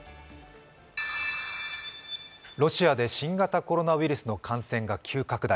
ロシアで新型コロナウイルスの感染が急拡大。